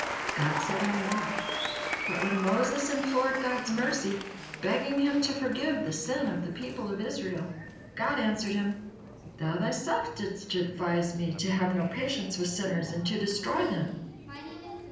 God said no more, but when Moses implored God's mercy, begging Him to forgive the sin of the people of Israel, God answered him: "Thou thyself didst advice Me to have no patience with sinners and to destroy them."